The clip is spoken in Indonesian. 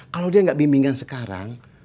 kalau dia nggak bimbingan sekarang